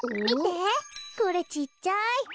みてこれちっちゃい。